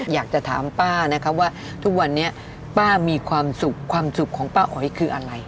อยากจะถามป้านะครับว่าทุกวันนี้ป้ามีความสุขความสุขของป้าอ๋อยคืออะไร